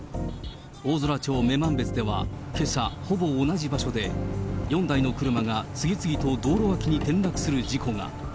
大空町女満別ではけさほぼ同じ場所で４台の車が次々と道路脇に転落する事故が。